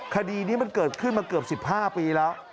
คดีนี้มันเกิดขึ้นมาเกือบ๑๕ปีแล้ว